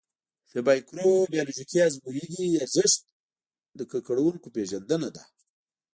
د مایکروبیولوژیکي ازموینې ارزښت د ککړونکو پېژندنه ده.